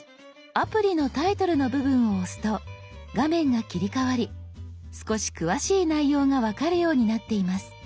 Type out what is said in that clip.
アプリのタイトルの部分を押すと画面が切り替わり少し詳しい内容が分かるようになっています。